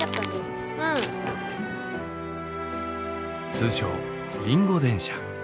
通称リンゴ電車。